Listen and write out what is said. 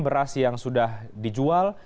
beras yang sudah dijual